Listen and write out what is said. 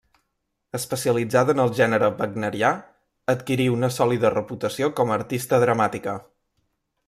Especialitzada en el gènere Wagnerià, adquirí una sòlida reputació com artista dramàtica.